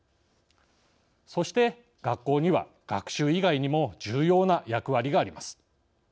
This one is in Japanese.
そして、学校には学習以外にも重要な役割があります。